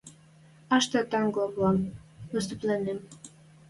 Ӓштӓ тӓнгвлӓн выступленьӹм.